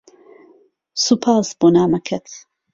سوپاس بۆ نامەکەت.